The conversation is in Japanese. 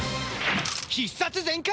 必殺全開！